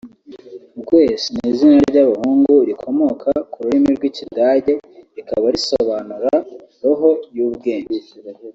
Hugues ni izina ry’abahungu rikomoka ku rurimi rw’Ikidage rikaba risobanura “Roho y’ubwenge”